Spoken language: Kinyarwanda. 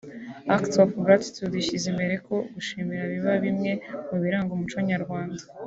Acts of Gratitude ishyize imbere ko gushimira biba bimwe mu biranga umuco Nyarwanda